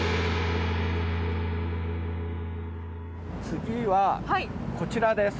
次は、こちらです。